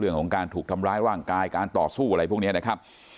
เรื่องของการถูกทำร้ายร่างกายการต่อสู้อะไรพวกนี้นะครับ